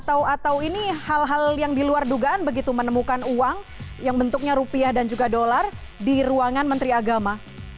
atau ini hal hal yang diluar dugaan begitu menemukan uang yang bentuknya rupiah dan juga dolar di ruangan menteri agama